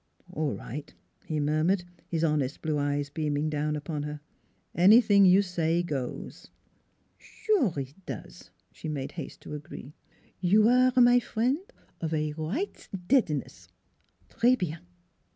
All right," he murmured, his honest blue eyes beaming down upon her. " Anything you say goes." " Sure it does," she made haste to agree, "you aire, my frien', of a right deadness; tres bien!"